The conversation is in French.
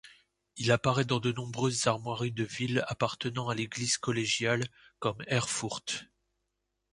Il apparait dans de nombreuses armoiries de villes appartenant à l'église collégiale, comme Erfurt.